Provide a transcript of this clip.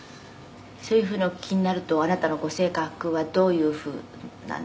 「そういうふうにお聞きになるとあなたのご性格はどういうふうなんですか？